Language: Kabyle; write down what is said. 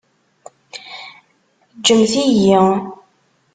Ǧǧemt-iyi!